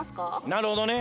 なるほどね。